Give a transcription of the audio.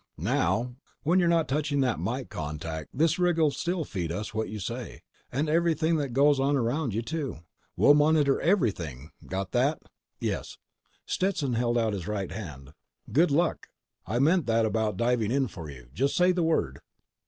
"Now ... when you're not touching that mike contact this rig'll still feed us what you say ... and everything that goes on around you, too. We'll monitor everything. Got that?" "Yes." Stetson held out his right hand. "Good luck. I meant that about diving in for you. Just say the word."